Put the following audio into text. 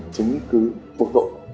chứng cứ phục vụ